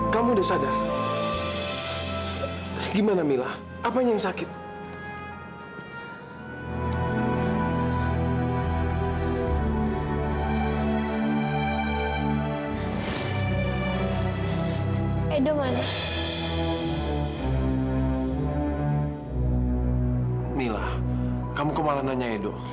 kamu kenapa malah nanya edo